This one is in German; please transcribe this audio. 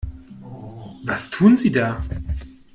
Was tun Sie da?